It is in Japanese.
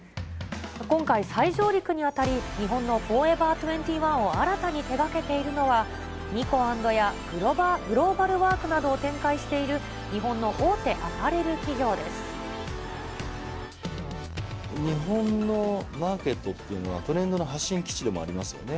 今回、再上陸にあたり、日本のフォーエバー２１を新たに手掛けているのは、ニコアンドやグローバルワークなどを展開している日本の大手アパ日本のマーケットっていうのは、トレンドの発信基地でもありますよね。